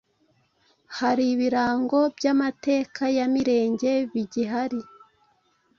Hari ibirango by’amateka ya Mirenge bigihari